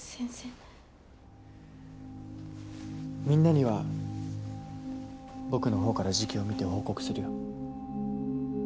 みんなには僕のほうから時期を見て報告するよ。